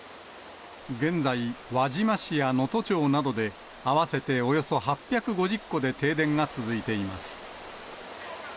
現在、輪島市や能登町などで合わせておよそ８５０戸で停電が続いています。